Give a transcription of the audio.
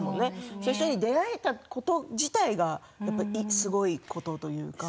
そして出会えたこと自体がすごいことというか。